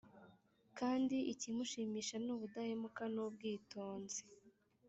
kandi ikimushimisha ni ubudahemuka n’ubwitonzi